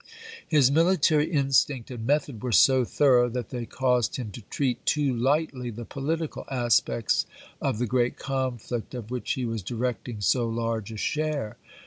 His military instinct and method were so thorough that they caused him to treat too lightly the political aspects of the great conflict of which he was directing so large a share.